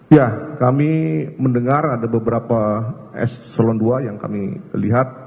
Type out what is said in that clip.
ya kami mendengar ada beberapa s salon dua yang kami lihat